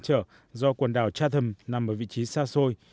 trở do quần đảo chatham nằm ở vị trí xa xôi